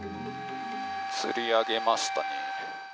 つり上げましたね。